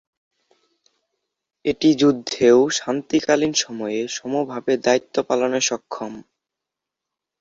এটি যুদ্ধে ও শান্তিকালীন সময়ে সমভাবে দায়িত্ব পালনে সক্ষম।